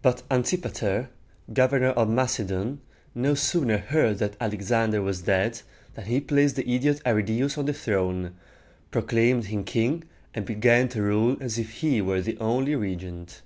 But An tip´a ter, governor of Macedon, no sooner heard that Alexander was dead, than he placed the idiot Arridæus on the throne, proclaimed him king, and began to rule as if he were the only regent.